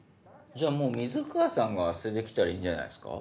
もう水川さんが捨てて来たらいいんじゃないですか？